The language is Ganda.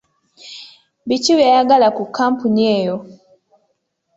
Biki by'oyagala ku kkampuni eyo?